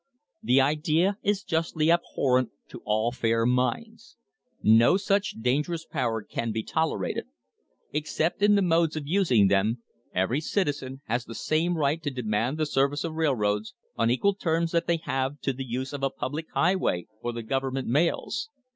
"The idea is justly abhorrent to all fair minds. No such dangerous power can be tolerated. Except in the modes of using them, every citizen has the same right to demand the service of railroads on equal terms that they have to the use of a public highway or the government mails.